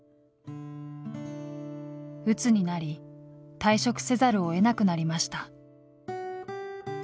うつになり退職せざるをえなくなりました。